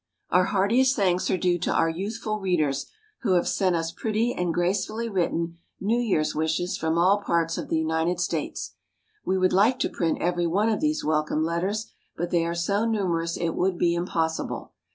] Our heartiest thanks are due to our youthful readers who have sent us pretty and gracefully written New Year's wishes from all parts of the United States. We would like to print every one of these welcome letters, but they are so numerous it would be impossible.